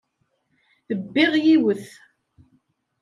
Bbiɣ yiwet.